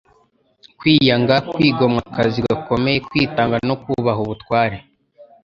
kwiyanga, kwigomwa akazi gakomeye, kwitanga no kubaha ubutware.”